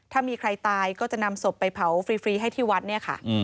ถ้ามีใครตายก็จะนำศพไปเผาฟรีให้ที่วัดเนี่ยค่ะ